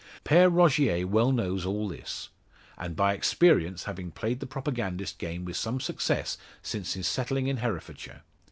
Pere Rogier well knows all this; and by experience, having played the propagandist game with some success since his settling in Herefordshire.